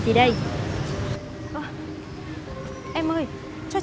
đi về đằng này à